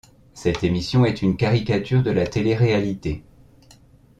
Cette émission est une caricature de la télé réalité.